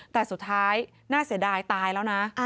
แต่สุดท้ายน่าเสียดายตายแล้วนะ